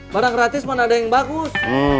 barang gratis mana ada yang bagus